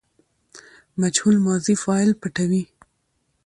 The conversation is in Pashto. مجهول ماضي فاعل پټوي.